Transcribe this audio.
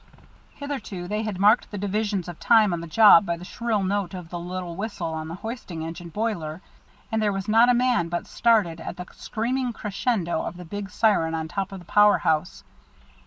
Hitherto they had marked the divisions of time on the job by the shrill note of the little whistle on the hoisting engine boiler, and there was not a man but started at the screaming crescendo of the big siren on top of the power house.